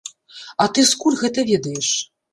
А ты скуль гэта ведаеш?